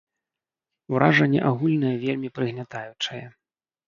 Уражанне агульнае вельмі прыгнятаючае.